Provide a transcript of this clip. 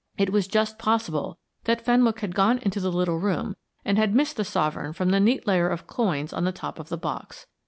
It was just possible that Fenwick had gone into the little room and had missed the sovereign from the neat layer of coins on the top of the box.